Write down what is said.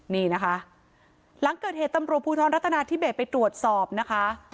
นี่นะคะหลังเกิดเหตุตำรวจภูทรรัฐนาธิเบสไปตรวจสอบนะคะ